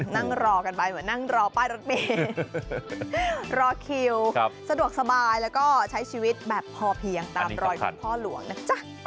นั่งรอกันไปเหมือนนั่งรอป้ายรถเมย์รอคิวสะดวกสบายแล้วก็ใช้ชีวิตแบบพอเพียงตามรอยคุณพ่อหลวงนะจ๊ะ